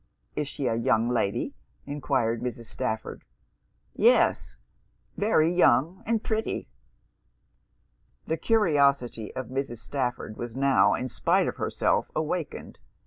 'Is she a young lady?' enquired Mrs. Stafford. 'Yes, very young and pretty.' The curiosity of Mrs. Stafford was now, in spite of herself, awakened.